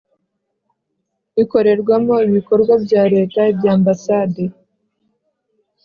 Ikorerwamo ibikorwa bya leta iby ambasade